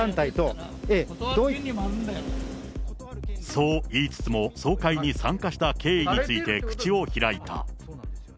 そう言いつつも、総会に参加した経緯について口を開いた。